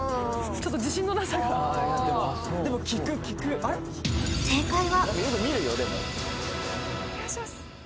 ちょっと自信のなさがでも聞く聞く正解はお願いします